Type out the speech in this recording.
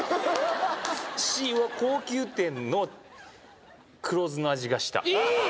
Ｃは高級店の黒酢の味がしたイイ！